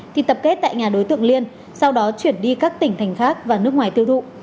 thì tập kết tại nhà đối tượng liên sau đó chuyển đi các tỉnh thành khác và nước ngoài tiêu thụ